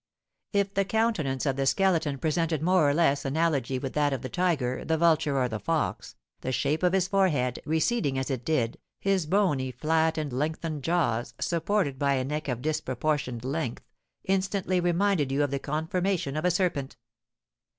If the countenance of the Skeleton presented more or less analogy with that of the tiger, the vulture, or the fox, the shape of his forehead, receding as it did, his bony, flat, and lengthened jaws, supported by a neck of disproportioned length, instantly reminded you of the conformation of a serpent.